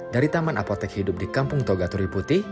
dari taman apotek hidup di kampung toga turiputi